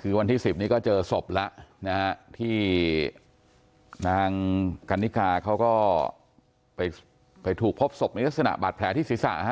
คือวันที่๑๐นี้ก็เจอศพแล้วนะฮะที่นางกันนิกาเขาก็ไปถูกพบศพในลักษณะบาดแผลที่ศีรษะ